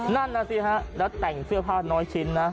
นั่นน่ะสิฮะแล้วแต่งเสื้อผ้าน้อยชิ้นนะ